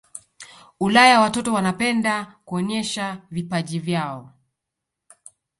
ulaya watoto wanapenda kuonesha vipaji vyao